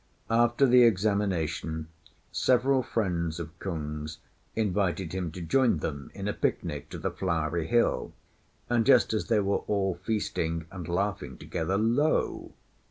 After the examination several friends of Kung's invited him to join them in a picnic to the Flowery Hill; and just as they were all feasting and laughing together, lo!